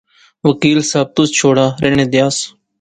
وکیل صاحب، تس چھوڑا، رہنے دیا س